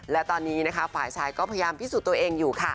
และตอนนี้นะคะฝ่ายชายก็พยายามพิสูจน์ตัวเองอยู่ค่ะ